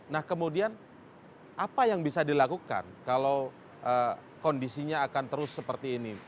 nah kemudian apa yang bisa dilakukan kalau kondisinya akan terus seperti ini